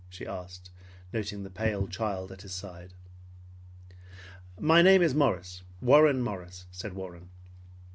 she asked, noting the pale child at his side. "My name is Morris, Warren Morris," said Warren.